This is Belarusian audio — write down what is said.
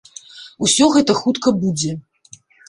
Усё гэта хутка будзе!